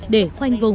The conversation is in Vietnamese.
để khoanh vùng